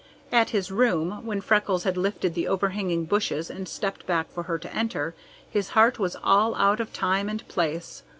At his room, when Freckles had lifted the overhanging bushes and stepped back for her to enter, his heart was all out of time and place.